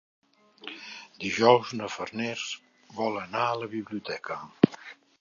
Dijous na Farners vol anar a la biblioteca.